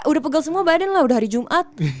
udah pegel semua badan lah udah hari jumat